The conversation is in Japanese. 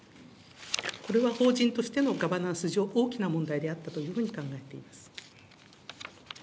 これは法人としてのガバナンス上、大きな問題であったというふうに考えています。